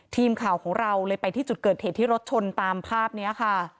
ทีมข่าวของเราเลยไปที่จุดเกิดเหตุที่รถชนตามภาพนี้ค่ะ